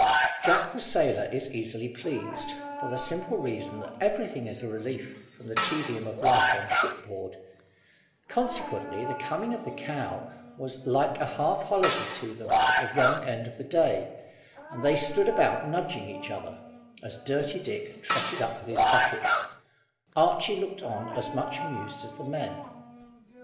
Jack the sailor is easily pleased, for the simple reason that anything is a relief from the tedium of life on ship board; consequently the coming of the cow was like a half holiday to them at the wrong end of the day, and they stood about nudging each other, as Dirty Dick trotted up with his bucket, Archy looking on as much amused as the men.